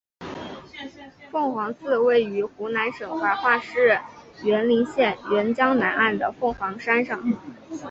凤凰寺位于湖南省怀化市沅陵县沅江南岸的凤凰山上。